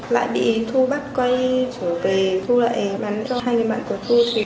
lại bị thu bắt quay trở về thu lại bán cho hai người bạn của thu phí